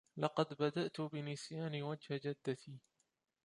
لقد بدأت بنسيان وجه جدّتي.